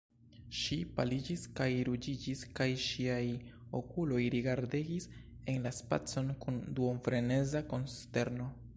Ŝi paliĝis kaj ruĝiĝis, kaj ŝiaj okuloj rigardegis en la spacon kun duonfreneza konsterno.